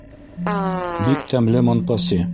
Бик тәмле монпаси.